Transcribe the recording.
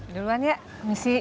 duluan ya misi